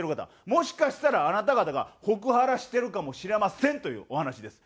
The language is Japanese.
もしかしたらあなた方がホクハラしてるかもしれませんというお話です。